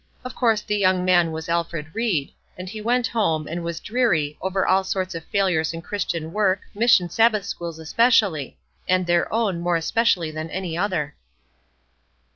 Of course the young man was Alfred Ried, and he went home, and was dreary, over all sorts of failures in Christian work, mission Sabbath schools especially; and their own, more especially than any other.